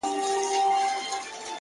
o دا عجیب منظرکسي ده؛ وېره نه لري امامه؛